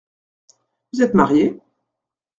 Vous êtes marié ?